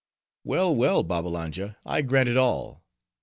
"Well, well, Babbalanja, I grant it all.